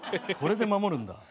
これで守るんだ。